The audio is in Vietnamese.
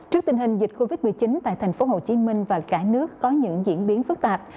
trước tình hình dịch covid một mươi chín tại tp hcm và cả nước có những diễn biến phức tạp